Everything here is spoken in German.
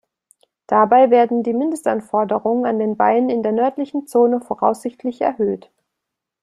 Dabei werden die Mindestanforderungen an den Wein in der nördlichen Zone voraussichtlich erhöht.